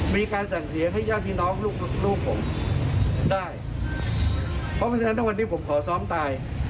มีการสั่งเสียงให้ย่าพี่น้องลูกผมได้เพราะเพราะฉะนั้นวันนี้ผมขอซ้อมตาย